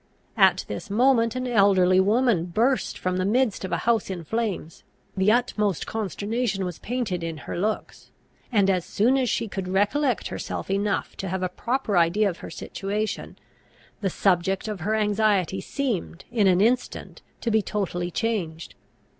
At this moment an elderly woman burst from the midst of a house in flames: the utmost consternation was painted in her looks; and, as soon as she could recollect herself enough to have a proper idea of her situation, the subject of her anxiety seemed, in an instant, to be totally changed.